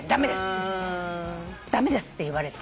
「駄目です」って言われて。